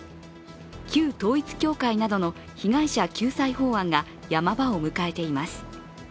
旧統一教会などの被害者救済法案が山場を迎えています。